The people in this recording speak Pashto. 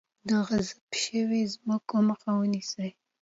د غصب شوو ځمکو مخه ونیسئ.